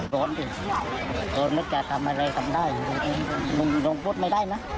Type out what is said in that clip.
โรนดิตัวนึกจะทำอะไรทำได้นุ่งพูดไม่ได้นะ